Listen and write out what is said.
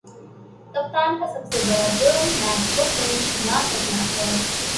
کپتان کا سب سے برا جرم میچ کو فنش نہ کرنا ہے